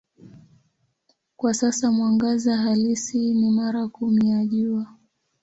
Kwa sasa mwangaza halisi ni mara kumi ya Jua.